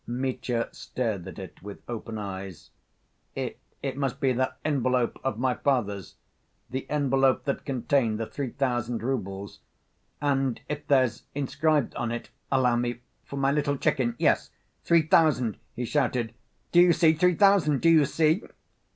Mitya stared at it with open eyes. "It ... it must be that envelope of my father's, the envelope that contained the three thousand roubles ... and if there's inscribed on it, allow me, 'For my little chicken' ... yes—three thousand!" he shouted, "do you see, three thousand, do you see?"